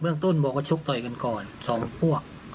เรื่องต้นบอกว่าชกต่อยกันก่อนสองพวก